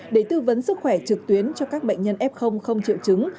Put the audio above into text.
để tư vấn sức khỏe trực tuyến cho các bệnh nhân f không triệu chứng